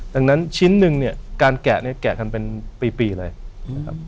ดังนั้นชิ้นหนึ่งเนี่ยการแกะเนี่ยแกะกันเป็นปีเลยนะครับ